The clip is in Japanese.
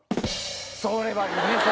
それはいい！